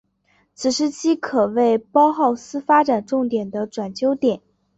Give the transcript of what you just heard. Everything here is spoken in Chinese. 此时期可谓包浩斯发展重要的转捩点。